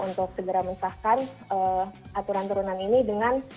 untuk segera mensahkan aturan turunan ini dengan